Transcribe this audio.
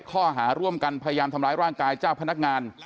ข้อหาร่วมกันพยายามทำร้ายร่างกายเจ้าพนักงาน